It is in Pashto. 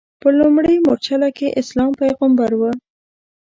په لومړۍ مورچله کې اسلام پیغمبر و.